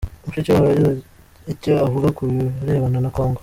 Mushikiwabo yagize icyo avuga ku birebana na Congo